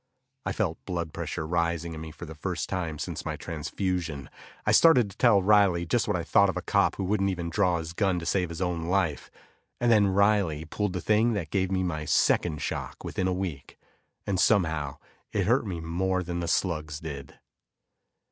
I felt blood pressure rising in me for the first time since my transfusion. I started to tell Riley just what I thought of a cop who wouldn't even draw his gun to save his own life. And then Riley pulled the thing that gave me my second shock within a week, and somehow it hurt me more than the slugs did.